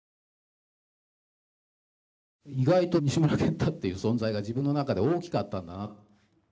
意外と西村賢太っていう存在が自分の中で大きかったんだな。